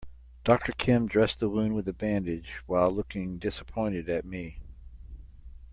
Doctor Kim dressed the wound with a bandage while looking disappointed at me.